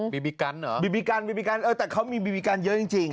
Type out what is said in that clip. บิบิกันหรอบิบิกันแต่เขามีบิบิกันเยอะจริง